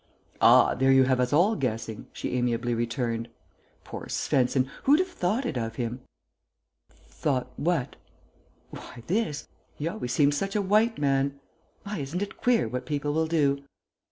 "Ah, there you have us all guessing," she amiably returned. "Poor Svensen. Who'd have thought it of him?" "Thought what?" "Why, this. He always seemed such a white man. My, isn't it queer what people will do?"